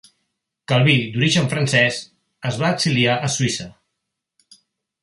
Calví, d'origen francès, es va exiliar a Suïssa.